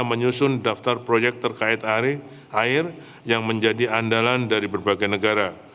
menyusun daftar proyek terkait air yang menjadi andalan dari berbagai negara